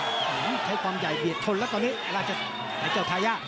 เค้าให้ความใหญ่เบียดทนนะตอนนี้ไทย่า